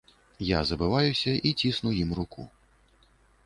Я забываюся і цісну ім руку.